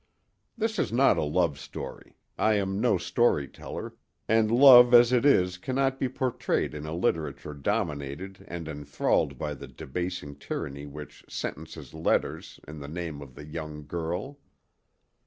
This is not a love story. I am no storyteller, and love as it is cannot be portrayed in a literature dominated and enthralled by the debasing tyranny which "sentences letters" in the name of the Young Girl.